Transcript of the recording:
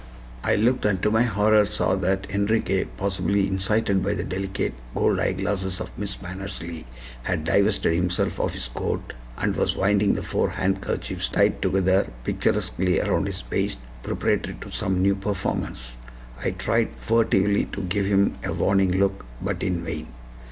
I looked, and to my horror saw that Enriquez, possibly incited by the delicate gold eyeglasses of Miss Mannersley, had divested himself of his coat, and was winding the four handkerchiefs, tied together, picturesquely around his waist, preparatory to some new performance. I tried furtively to give him a warning look, but in vain.